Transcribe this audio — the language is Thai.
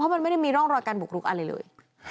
มันไม่ได้มีร่องรอยการบุกรุกอะไรเลย